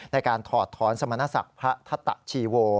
ถอดถอนสมณศักดิ์พระทัตตะชีโว